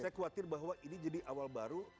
saya khawatir bahwa ini jadi awal baru